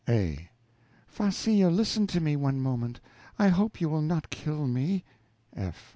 A. Farcillo, listen to me one moment; I hope you will not kill me. F.